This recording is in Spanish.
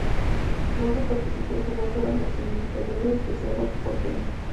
Rojas, participó y jugó todas las inferiores de Cerro Porteño.